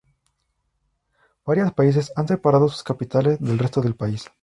Varios países han separado sus capitales del resto del país.